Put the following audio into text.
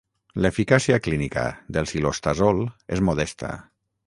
L'eficàcia clínica de cilostazol és modesta.